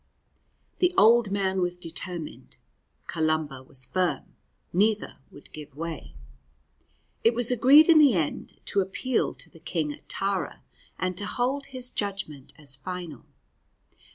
The old man was determined; Columba was firm; neither would give way. It was agreed in the end to appeal to the King at Tara, and to hold his judgment as final.